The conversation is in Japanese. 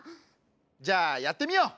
じゃあやってみよう！